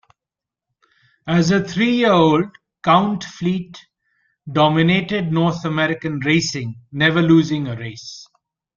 As a three-year-old, Count Fleet dominated North American racing, never losing a race.